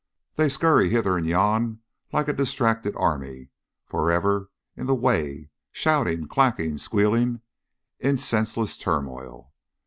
They scurry hither and yon like a distracted army, forever in the way, shouting, clacking, squealing in senseless turmoil.